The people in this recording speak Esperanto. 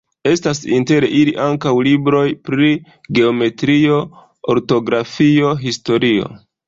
Estas inter ili ankaŭ libroj pri geometrio, ortografio, historio.